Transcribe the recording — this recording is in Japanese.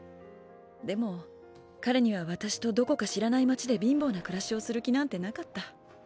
でも彼には私とどこか知らない街で貧乏な暮らしをする気なんてなかった。